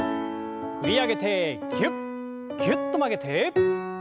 振り上げてぎゅっぎゅっと曲げて。